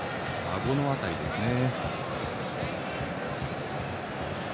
あごの辺りですね。